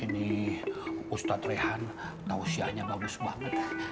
ini ustadz rehan tausiahnya bagus banget